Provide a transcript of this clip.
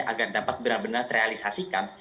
agar dapat benar benar terrealisasikan